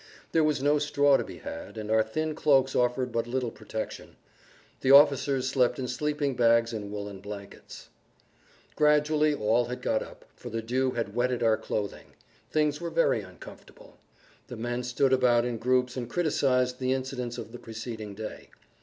There was no straw to be had, and our thin cloaks offered but little protection. The officers slept in sleeping bags and woolen blankets. Gradually all had got up, for the dew had wetted our clothing; things were very uncomfortable. The men stood about in groups and criticized the incidents of the preceding day.